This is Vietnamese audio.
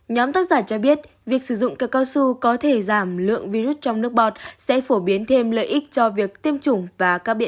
nhóm tác giả cho biết việc sử dụng từ cao su có thể giảm lượng virus trong nước bọt sẽ phổ biến thêm lợi ích cho việc tiêm chủng và các biện pháp